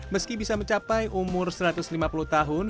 meski bisa mencapai umur satu ratus lima puluh tahun